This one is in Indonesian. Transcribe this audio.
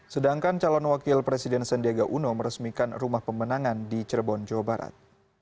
sedangkan calon wakil presiden sandiaga uno meresmikan rumah pemenangan di cirebon jawa barat